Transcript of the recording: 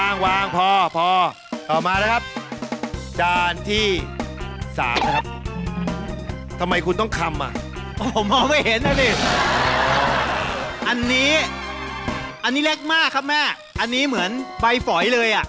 อ่อนมากจับปุ๊บหลุดคามือเลย